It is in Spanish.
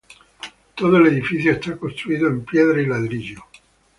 Todo el edificio está construido en piedra y ladrillo.